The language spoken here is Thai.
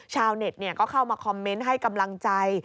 ชาวเน็ตก็เข้ามาคอมเมนต์ให้กำลังใจ